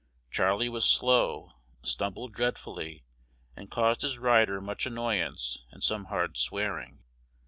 Charley was slow, stumbled dreadfully, and caused his rider much annoyance and some hard swearing.